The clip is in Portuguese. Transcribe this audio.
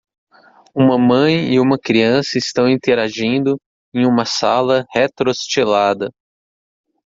Uma mãe e uma criança estão interagindo em uma sala retrostilada.